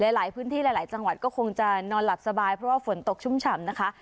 หลายพื้นที่หลายจังหวัดก็คงจะนอนหลับสบายเพราะว่าฝนตกชุ่มฉ่ำนะคะ